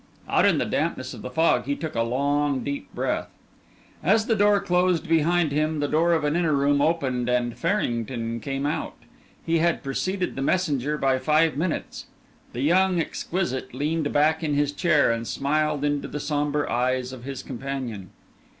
Out in the dampness of the fog, he took a long, deep breath. As the door closed behind him, the door of an inner room opened and Farrington came out. He had preceded the messenger by five minutes. The young exquisite leaned back in his chair, and smiled into the sombre eyes of his companion.